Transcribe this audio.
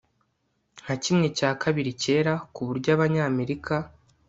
nka kimwe cya kabiri cyera, ku buryo abanyamerika